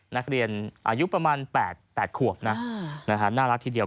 นักเรียนอายุประมาณ๘ขวบนะน่ารักทีเดียว